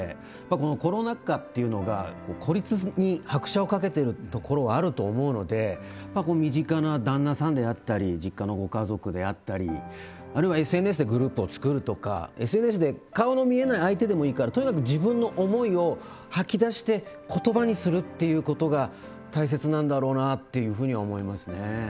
コロナ禍っていうのが孤立に拍車をかけてるところはあると思うので身近な旦那さんであったり実家のご家族であったりあるいはＳＮＳでグループを作るとかＳＮＳで顔の見えない相手でもいいからとにかく自分の思いを吐き出して言葉にするっていうことが大切なんだろうなっていうふうには思いますね。